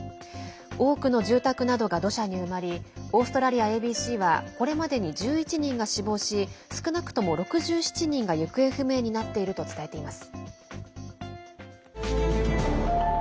多くの住宅などが土砂に埋まりオーストラリアＡＢＣはこれまでに１１人が死亡し少なくとも６７人が行方不明になっていると伝えています。